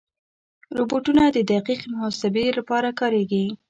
روبوټونه د دقیق محاسبې لپاره کارېږي.